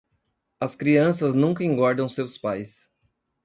As crianças nunca engordam seus pais.